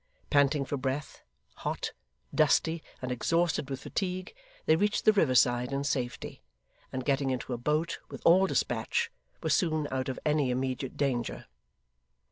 Panting for breath, hot, dusty, and exhausted with fatigue, they reached the riverside in safety, and getting into a boat with all despatch were soon out of any immediate danger.